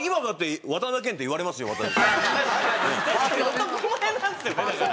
男前なんですよねだから。